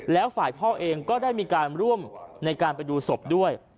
แล้วฝ่ายพ่อเองก็ได้มีการร่วมในการไปดูศพด้วย